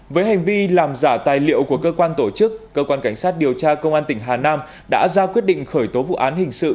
với hành vi làm giả tài liệu của cơ quan tổ chức cơ quan cảnh sát điều tra công an tỉnh hà nam đã ra quyết định khởi tố vụ án hình sự